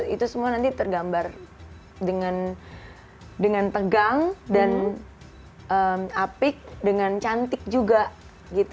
itu semua nanti tergambar dengan tegang dan apik dengan cantik juga gitu